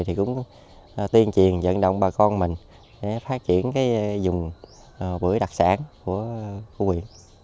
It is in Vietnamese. chúng tôi đã đồng thời vận động bà con mình để phát triển dùng bưởi đặc sản của quỹ